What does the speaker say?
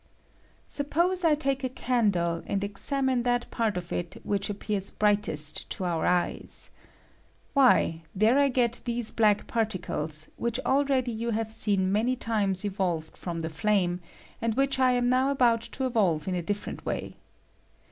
Suppose I take a candle and esamine that part of it which appears brightest to our eyes. Why, there I get these black particles, which already you have seen many times evolved from the flame, and which I am now about to evolve in a different way.